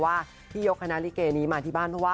ว่าที่ยกคณะลิเกนี้มาที่บ้านเพราะว่า